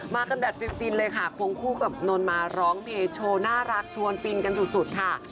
มากันแบบฟิลล์ฟรีนเค้าคงคุกับนอนมาร้องเพจโชว์น่ารักชวนสลดยางสุดสุดค่ะ